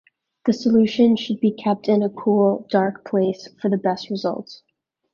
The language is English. The solution should be kept in a cool, dark place for best results.